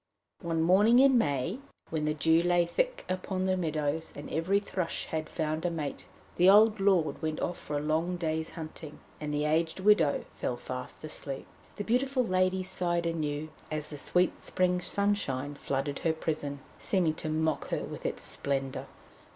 One morning in May when the dew lay thick upon the meadows and every thrush had found a mate, the old lord went off for a long day's hunting, and the aged widow fell fast asleep. The beautiful lady sighed anew as the sweet spring sunshine flooded her prison, seeming to mock her with its splendour.